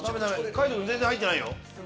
海人君全然入ってないよ。